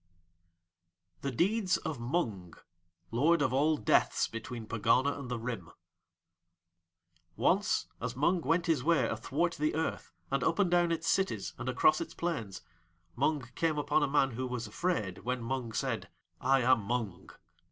THE DEEDS OF MUNG (Lord of all Deaths between Pegana and the Rim) Once, as Mung went his way athwart the Earth and up and down its cities and across its plains, Mung came upon a man who was afraid when Mung said: "I am Mung!"